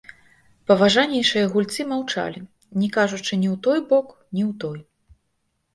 Паважнейшыя гульцы маўчалі, не кажучы ні ў той бок, ні ў той.